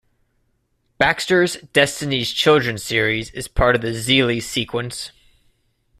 Baxter's "Destiny's Children" series is part of the Xeelee Sequence.